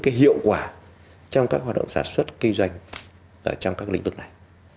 cái hiệu quả trong các hoạt động sản xuất kinh doanh trong các lĩnh vực này